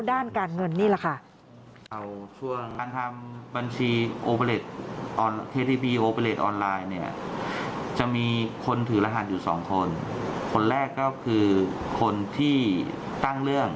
ด้านการเงินนี่แหละค่ะ